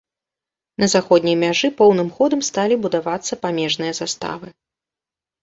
На заходняй мяжы поўным ходам сталі будавацца памежныя заставы.